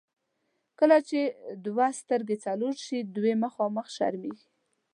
کله چې دوه سترګې څلور شي، دوې خامخا شرمېږي.